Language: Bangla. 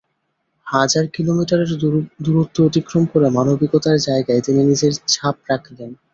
হাজার কিলোমিটারের দূরত্ব অতিক্রম করে মানবিকতার জায়গায় তিনি নিজের ছাপ রাখলেন।